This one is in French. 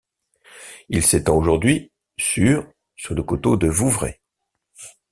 Il s'étend aujourd'hui sur sur le coteau de Vouvray.